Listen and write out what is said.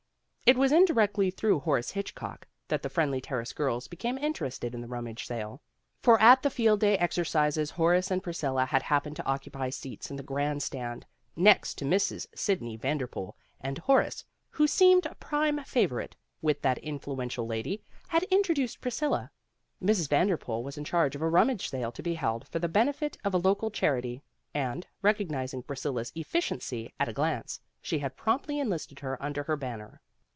It was indirectly through Horace Hitchcock that the Friendly Terrace girls became interested in the Rummage Sale. For at the Field Day exercises Horace and Priscilla had Happened to occupy seats in the Grand Stand next to Mrs. Sidney Vanderpool, and Horace, who seemed a prime favorite with that influential lady, had introduced Priscilla. Mrs. Vanderpool was in charge of a rummage sale to be held for the benefit of a local charity, and recognizing Priscilla 's efficiency at a glance, she had promptly enlisted her under her banner.